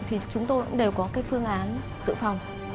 thì chúng tôi cũng đều có cái phương án dự phòng